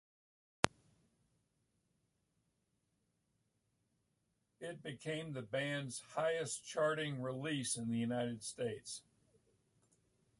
It became the band's highest-charting release in the United States.